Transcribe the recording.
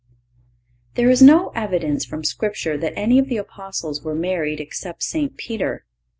(517) There is no evidence from Scripture that any of the Apostles were married except St. Peter.